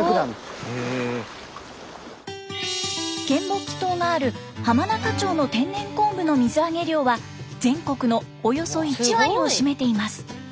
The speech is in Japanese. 嶮暮帰島がある浜中町の天然昆布の水揚げ量は全国のおよそ１割を占めています。